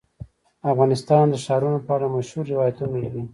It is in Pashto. افغانستان د ښارونو په اړه مشهور روایتونه لري.